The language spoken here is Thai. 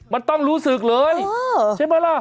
มันต้องรู้สึกเลยใช่ไหมล่ะ